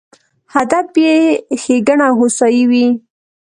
هدف یې ښېګڼه او هوسایي وي.